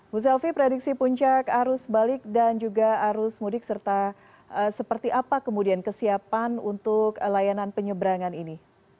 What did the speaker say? bu selvi prediksi puncak arus balik dan juga arus mudik serta seperti apa kemudian kesiapan untuk layanan penyeberangan ini